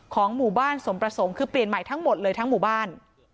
ของหมู่บ้านสมประสงค์คือเปลี่ยนใหม่ทั้งหมดเลยทั้งหมู่บ้าน